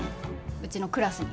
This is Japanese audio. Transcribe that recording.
うちのクラスに。